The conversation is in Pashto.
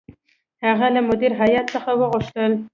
هغه له مدیره هیات څخه وغوښتل.